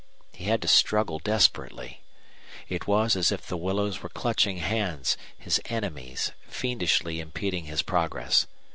He had to struggle desperately. It was as if the willows were clutching hands, his enemies, fiendishly impeding his progress.